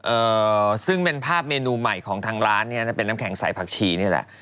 เอ่อซึ่งเป็นภาพเมนูใหม่ของทางร้านเนี้ยถ้าเป็นน้ำแข็งใส่ผักชีนี่แหละ